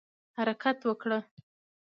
حرکت وکړه